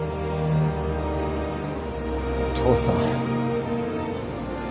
父さん。